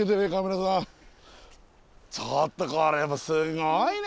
ちょっとこれすごいね！